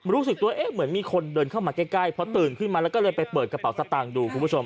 รู้สึกตัวเอ๊ะเหมือนมีคนเดินเข้ามาใกล้เพราะตื่นขึ้นมาแล้วก็เลยไปเปิดกระเป๋าสตางค์ดูคุณผู้ชม